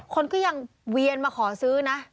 คนก็ยังเวียนมาขอซื้อนะ